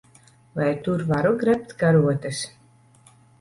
Vai tur varu grebt karotes?